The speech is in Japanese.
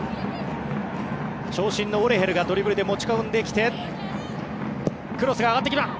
長身のオレヘルがドリブルで持ち込んできてクロスが上がってきた。